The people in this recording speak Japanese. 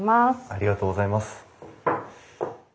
ありがとうございます。